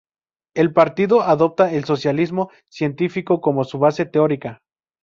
El Partido adopta el socialismo científico como su base teórica"".